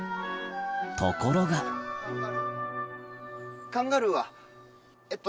ところがカンガルーはえっと